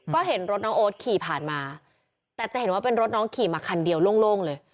ก็เห็นรถน้องโอ๊ตขี่ผ่านมาแต่จะเห็นว่าเป็นรถน้องขี่มาคันเดียวโล่งเลย